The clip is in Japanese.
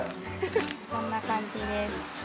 こんな感じです。